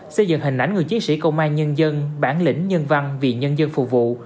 xây dựng hình ảnh người chiến sĩ công an nhân dân bản lĩnh nhân văn vì nhân dân phục vụ